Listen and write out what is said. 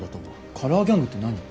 カラーギャングって何？